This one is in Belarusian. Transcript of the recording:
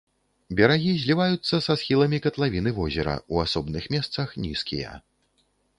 Берагі зліваюцца са схіламі катлавіны возера, у асобных месцах нізкія.